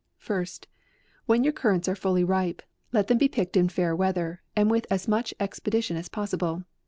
First, when your currants are fully ripe, let them be picked in fair weather, and with as much expedition as possible.